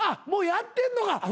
もうやってんのか。